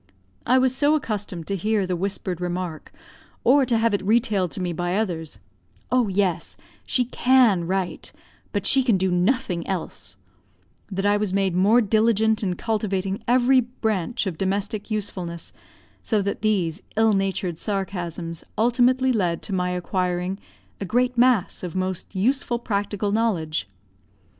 I was so accustomed to hear the whispered remark, or to have it retailed to me by others, "Oh, yes; she can write, but she can do nothing else," that I was made more diligent in cultivating every branch of domestic usefulness; so that these ill natured sarcasms ultimately led to my acquiring a great mass of most useful practical knowledge.